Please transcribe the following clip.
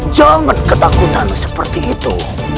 jangan ketakutan seperti itu